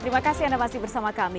terima kasih anda masih bersama kami